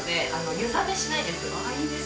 湯冷めしないです。